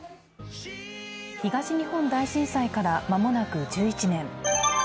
東日本大震災から間もなく１１年。